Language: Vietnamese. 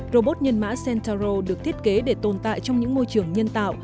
robot nhân mã central được thiết kế để tồn tại trong những môi trường nhân tạo